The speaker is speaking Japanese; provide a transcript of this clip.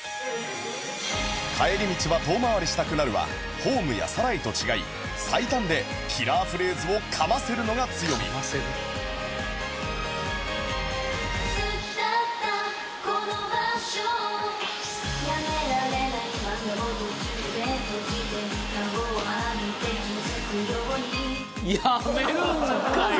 『帰り道は遠回りしたくなる』は『ｈｏｍｅ』や『サライ』と違い最短でキラーフレーズをかませるのが強みやめるんかい！